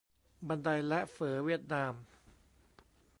บันได และ เฝอเวียดนาม